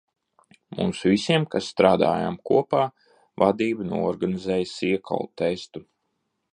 Mums visiem, kas strādājam kopā, vadība noorganizēja siekalu testu.